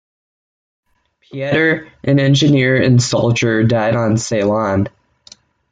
Pieter, an engineer and soldier, died on Ceylon.